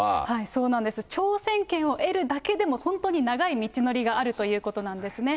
そうなんです、挑戦権を得るだけでも、本当に長い道のりがあるということなんですね。